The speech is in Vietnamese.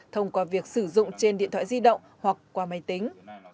thông qua việc sử dụng trên điện thoại di động hoặc qua máy tính